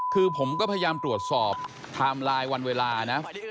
คือผมก็พยายามตรวจสอบไทม์ไลน์วันเวลานะ